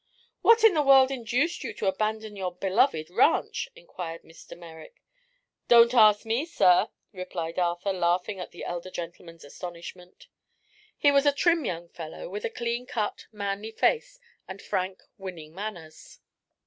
"What in the world induced you to abandon your beloved ranch?" inquired Mr. Merrick. "Don't ask me, sir!" replied Arthur, laughing at the elder gentleman's astonishment. He was a trim young fellow, with a clean cut, manly face and frank, winning manners.